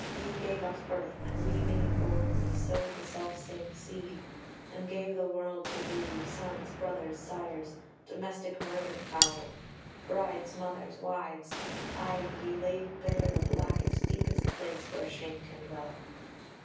Ye gave us birth, and we being born ye sowed The self same seed, and gave the world to view Sons, brothers, sires, domestic murder foul, Brides, mothers, wives.... Ay, ye laid bare The blackest, deepest place where Shame can dwell."